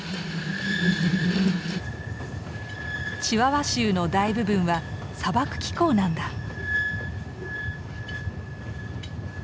チワワ州の大部分は砂漠気候なんだ。